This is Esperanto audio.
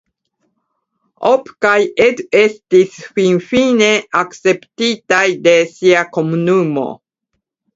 Op kaj Ed estis finfine akceptitaj de sia komunumo.